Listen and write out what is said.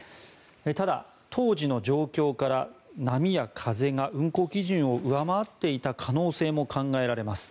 ただ、当時の状況から波や風が運航基準を上回っていた可能性も考えられます。